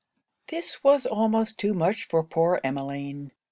This was almost too much for poor Emmeline.